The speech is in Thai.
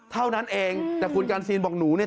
เท่านั้นเองแต่คุณกันซีนบอกหนูเนี่ย